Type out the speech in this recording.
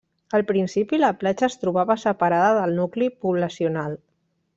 Al principi la platja es trobava separada del nucli poblacional.